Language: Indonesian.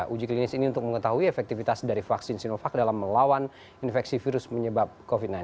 uji klinis ini untuk mengetahui efektivitas dari vaksin sinovac dalam melawan infeksi virus menyebab covid sembilan belas